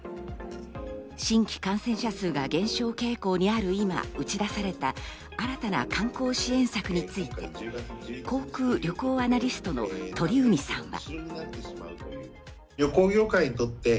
新規感染者数が減少傾向にある今、打ち出された新たな観光支援策について、航空・旅行アナリストの鳥海さんは。